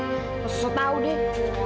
gak usah tau deh